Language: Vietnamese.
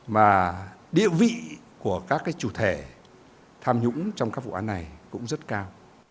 mà địa vị của các chủ thể tham nhũng trong các vụ án này cũng rất cao